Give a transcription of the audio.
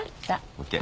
ＯＫ。